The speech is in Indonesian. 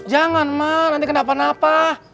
jangan mak nanti kena apa apa